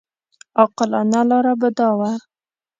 عاقلانه لاره به دا وه.